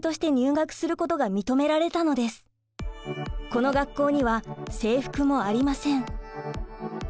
この学校には制服もありません。